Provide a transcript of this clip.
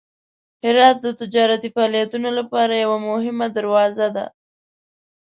هرات د تجارتي فعالیتونو لپاره یوه مهمه دروازه ده.